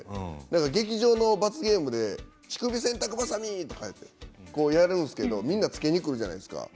劇場の罰ゲームで乳首洗濯ばさみとかやるんですけどみんなつけにくるじゃないですか。